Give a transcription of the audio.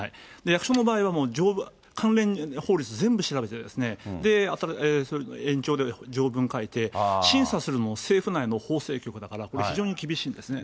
役所の場合は関連法律、全部調べて、延長で条文書いて、審査するのも政府内の法制局だから、これ、非常に厳しいんですね。